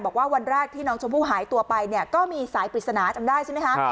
วันแรกที่น้องชมพู่หายตัวไปเนี่ยก็มีสายปริศนาจำได้ใช่ไหมคะ